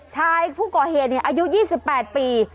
ชายผู้ก่อเหตุอายุ๒๘ปี